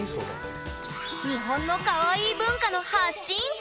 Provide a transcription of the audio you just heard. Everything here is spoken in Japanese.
日本のカワイイ文化の発信地！